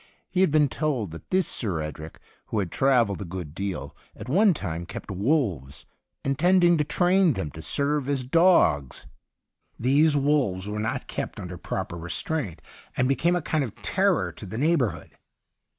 He had been told that this Sir Edric, who had travelled a good deal, at one time kept wolves, in tending to train them to serve as dogs ; these wolves were not kept under proper restraint, and became a kind of terror to the neighbour hood.